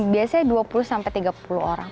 biasanya dua puluh sampai tiga puluh orang